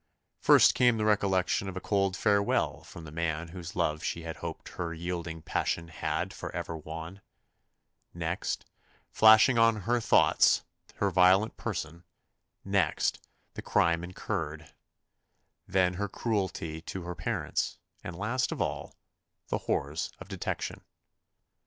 First came the recollection of a cold farewell from the man whose love she had hoped her yielding passion had for ever won; next, flashed on her thoughts her violated person; next, the crime incurred; then her cruelty to her parents; and, last of all, the horrors of detection.